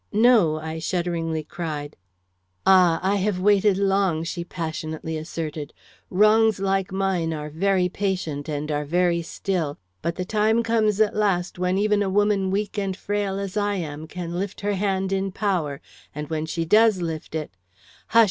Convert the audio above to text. "No," I shudderingly cried. "Ah! I have waited long," she passionately asserted. "Wrongs like mine are very patient, and are very still, but the time comes at last when even a woman weak and frail as I am can lift her hand in power; and when she does lift it " "Hush!"